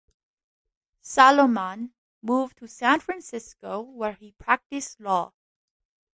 Salomon moved to San Francisco, where he practiced law.